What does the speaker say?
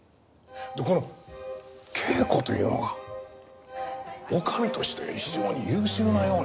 でこの啓子というのが女将として非常に優秀なようなんですね。